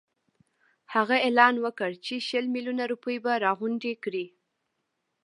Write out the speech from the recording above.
هغه اعلان وکړ چې شل میلیونه روپۍ به راغونډي کړي.